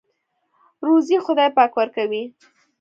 روزۍ خدای پاک ورکوي.